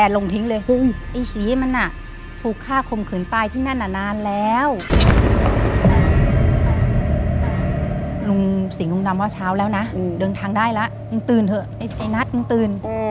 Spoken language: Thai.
ลุงสิงหลุงดำว่าเช้าแล้วนะเดินทางได้แล้วมึงตื่นเถอะไอ้นัดมึงตื่น